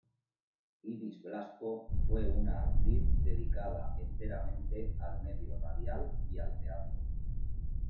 Ibis Blasco fue una actriz dedicada enteramente al medio radial y al teatro.